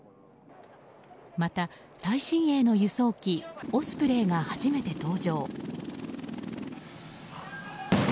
また、最新鋭の輸送機オスプレイが初めて登場。